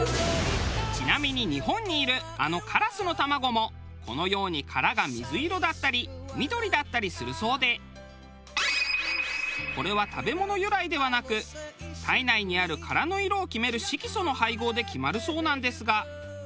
ちなみに日本にいるあのカラスの卵もこのように殻が水色だったり緑だったりするそうでこれは食べ物由来ではなく体内にある殻の色を決める色素の配合で決まるそうなんですが。